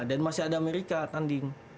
dan masih ada amerika tanding